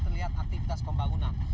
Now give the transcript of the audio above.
terlihat aktivitas pembangunan